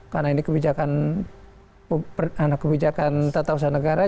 karena ini kebijakan tata usaha negara